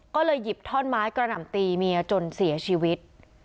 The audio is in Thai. ก็เลยหยิบท่อนไม้กระหน่ำตีเมียจนเสียชีวิต